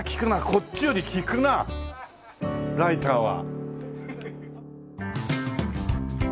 こっちより効くなライターは。